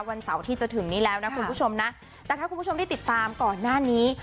วันเสาร์ที่จะถึงนี้แล้วนะคุณผู้ชมนะแต่ถ้าคุณผู้ชมได้ติดตามก่อนหน้านี้